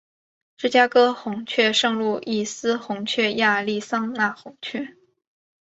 芝加哥红雀圣路易斯红雀亚利桑那红雀